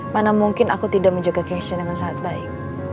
mana mungkin aku tidak menjaga cassion dengan sangat baik